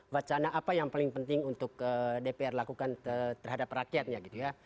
vacana apa yang paling penting untuk dpr lakukan terhadap rakyatnya